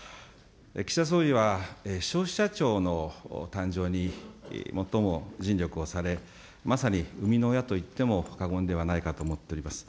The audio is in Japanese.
岸田総理は消費者庁の誕生に最も尽力をされ、まさに生みの親といっても過言ではないかと思っております。